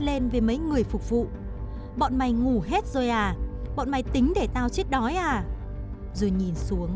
lên với mấy người phục vụ bọn máy ngủ hết rồi à bọn máy tính để tao chết đói à rồi nhìn xuống